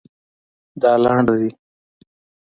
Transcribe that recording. دا لنډ دی